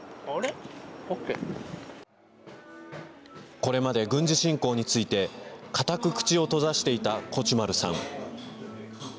これまで軍事侵攻について堅く口を閉ざしていたコチュマルさん。